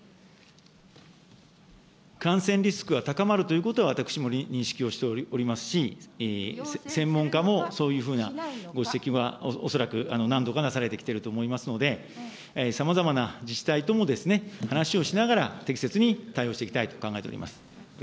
感染リスクが高まるということは私も認識をしておりますし、専門家もそういうふうなご指摘は、恐らく何度かなされてきていると思いますので、さまざまな自治体とも話をしながら、適切に対応していきたいと考えております。